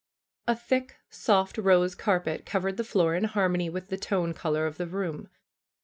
A thick, soft rose carpet covered the fioor in harmony with the tone color of the room.